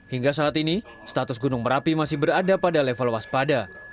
hingga saat ini status gunung merapi masih berada pada level waspada